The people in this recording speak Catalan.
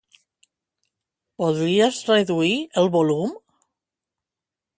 Podries reduir el volum?